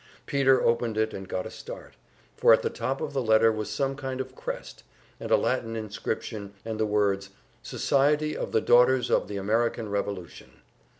Peter opened it and got a start, for at the top of the letter was some kind of crest, and a Latin inscription, and the words: "Society of the Daughters of the American Revolution."